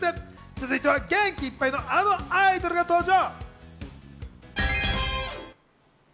続いて元気いっぱいの、あのアイドルが登場。